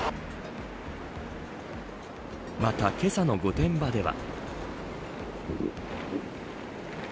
また、けさの御殿場では。